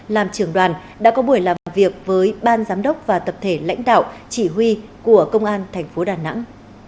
làm trường đoàn đã có buổi làm việc với ban giám đốc và tập thể lãnh đạo chỉ huy của công an tp đà nẵng